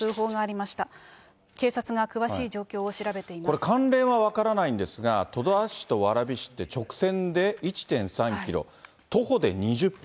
これ、関連は分からないんですが、戸田市と蕨市って、直線で１．３キロ、徒歩で２０分。